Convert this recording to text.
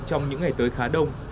trong những ngày tới khá đông